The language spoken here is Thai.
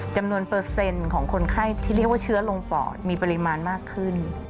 จำนวนเปอร์เซ็นต์ของคนไข้ที่เรียกว่าเชื้อลงปอดมีปริมาณมากขึ้น